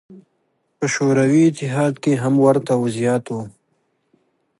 په شوروي اتحاد کې هم ورته وضعیت و.